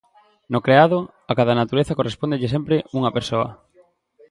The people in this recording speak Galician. No creado, a cada natureza correspóndelle sempre unha persoa.